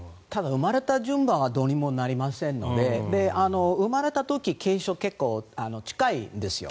生まれた順番はどうにもなりませんので生まれた時継承は結構近いんですよ。